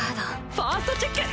ファーストチェック！